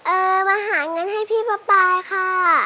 มาหาเงินให้พี่พระปายค่ะ